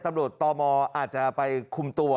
ตำรวจตมอาจจะไปคุมตัว